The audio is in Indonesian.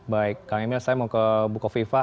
baik kang emil saya mau ke bukoviva